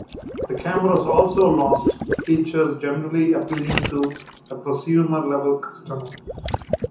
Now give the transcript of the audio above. The cameras also lost features generally appealing to a prosumer level customer.